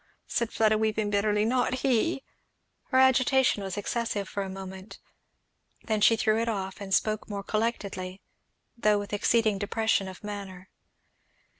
said Fleda weeping bitterly, "not he " Her agitation was excessive for a moment; then she threw it off, and spoke more collectedly, though with exceeding depression of manner.